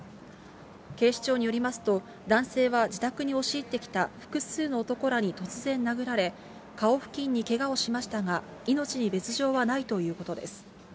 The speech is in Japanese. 警視庁によりますと、男性は自宅に押し入ってきた複数の男らに突然殴られ、顔付近にけがをしましたが、命に別状はないということです。